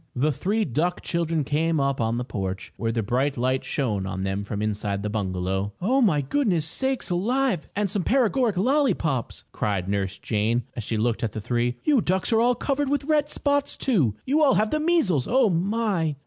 The three duck children came up on the porch, where the bright light shone on them from inside the bungalow. "Oh, my goodness me sakes alive and some paregoric lollypops!" cried Nurse Jane, as she looked at the three. "You ducks are all covered with red spots, too! You all have the measles! Oh, my!"